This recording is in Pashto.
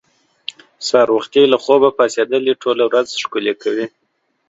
سهار وختي له خوبه پاڅېدل دې ټوله ورځ ښکلې کوي.